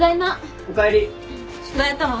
宿題やったの？